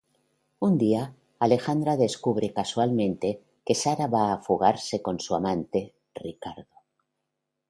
Un día, Alejandra descubre casualmente que Sara va a fugarse con su amante, Ricardo.